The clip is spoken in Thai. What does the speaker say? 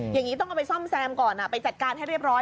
อย่างนี้ต้องเอาไปซ่อมแซมก่อนไปจัดการให้เรียบร้อย